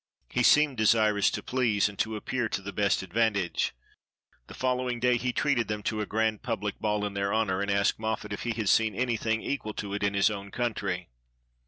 He seemed desirous to please, and to appear to the best ad vantage. The following day he treated them to a grand public ball in their honor, and asked Moffat if he had seen anything to equal it in his own country.